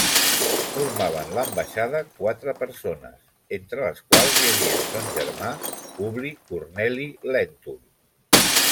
Formaven l’ambaixada quatre persones, entre les quals hi havia son germà Publi Corneli Lèntul.